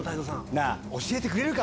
教えてくれるか？